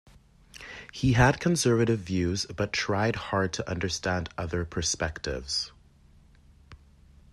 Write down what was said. He had conservative views but tried hard to understand other perspectives.